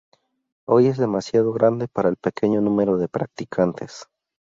Hoy es demasiado grande para el pequeño número de practicantes.